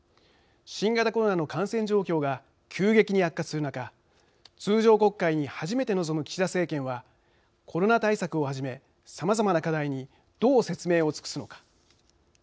新型コロナの感染状況が急激に悪化する中通常国会に初めて臨む岸田政権はコロナ対策をはじめさまざまな課題にどう説明を尽くすのか。